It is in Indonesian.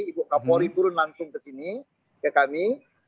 ibu kapolri turun langsung kesini ke kami